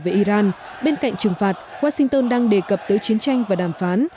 với iran bên cạnh trừng phạt washington đang đề cập tới chiến tranh và đàm phán